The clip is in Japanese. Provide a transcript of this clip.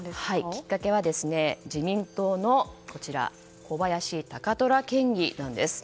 きっかけは自民党の小林貴虎県議なんです。